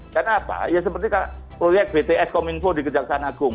kenapa ya seperti proyek bts kominfo di kejaksanaan agung